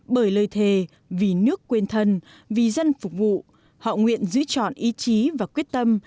bởi lời thề vì nước quên thân vì dân phục vụ họ nguyện giữ chọn ý chí và quyết tâm